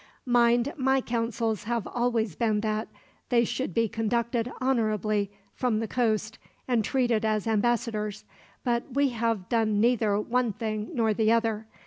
"Mind, my counsels have always been that they should be conducted honorably from the coast, and treated as ambassadors; but we have done neither one thing nor the other.